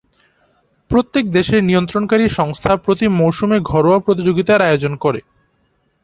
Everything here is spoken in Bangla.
প্রত্যেক দেশের নিয়ন্ত্রণকারী সংস্থা প্রতি মৌসুমে ঘরোয়া প্রতিযোগিতার আয়োজন করে।